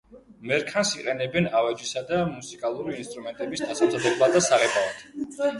მერქანს იყენებენ ავეჯისა და მუსიკალური ინსტრუმენტების დასამზადებლად და საღებავად.